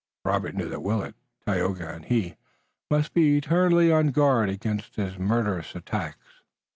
Robert knew that Willet, Tayoga and he must be eternally on guard against his murderous attacks.